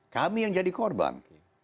kami yang jadi korban